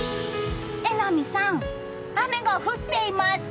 榎並さん、雨が降っています。